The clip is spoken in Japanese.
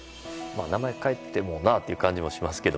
名前を変えてもなという感じもしますけど。